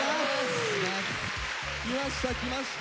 きましたきました。